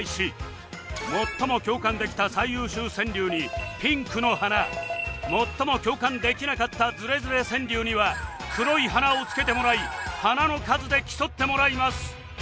最も共感できた最優秀川柳にピンクの花最も共感できなかったズレズレ川柳には黒い花を付けてもらい花の数で競ってもらいます